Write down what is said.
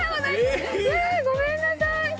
えごめんなさい！